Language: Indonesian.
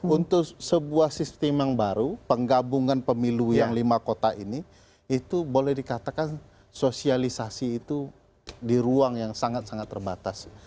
untuk sebuah sistem yang baru penggabungan pemilu yang lima kota ini itu boleh dikatakan sosialisasi itu di ruang yang sangat sangat terbatas